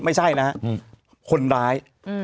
ไม่ใช่นะฮะคนร้าย